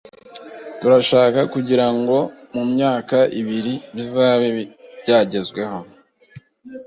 Turashaka kugira ngo mu myaka ibiri bizabe byagezweho